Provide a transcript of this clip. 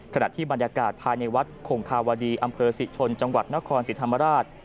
ขณะที่บรรยากาศภายในวัดคงคาวดีอำเภอศรีชนจังหวัดนครศรีธรรมราช